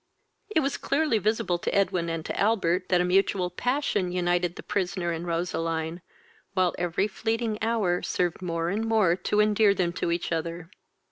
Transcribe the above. It was clearly visible to Edwin and to Albert that a mutual passion united the prisoner and Roseline, while every fleeting hour served more and more to endear them to each other.